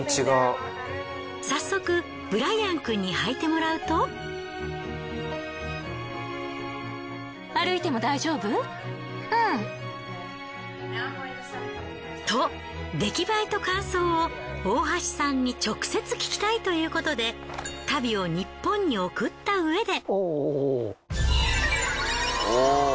早速ブライアンくんに履いてもらうと。とできばえと感想を大橋さんに直接聞きたいということで足袋をニッポンに送ったうえで。